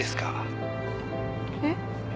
えっ？